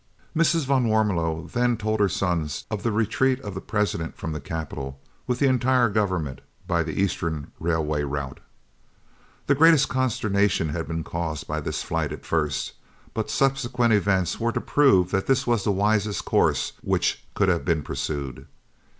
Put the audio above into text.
Mrs. van Warmelo then told her sons of the retreat of the President from the capital, with the entire Government, by the eastern railway route. The greatest consternation had been caused by this flight at first, but subsequent events went to prove that this was the wisest course which could have been pursued.